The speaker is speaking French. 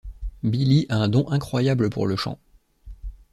Billie a un don incroyable pour le chant.